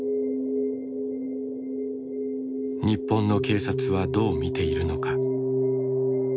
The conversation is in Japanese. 日本の警察はどう見ているのか。